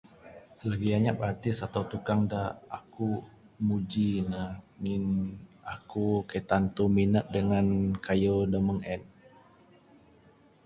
Lagi anyap artis atau tukang da aku muji ne, ngin aku kaii tantu minat dangan kayuh da meng en.